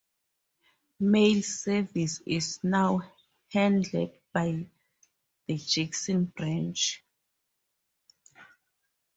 Mail service is now handled by the Jackson branch.